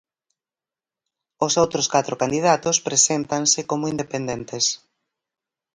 Os outros catro candidatos preséntanse como independentes.